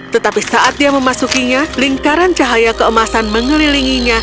tetapi saat dia memasukinya lingkaran cahaya keemasan mengelilinginya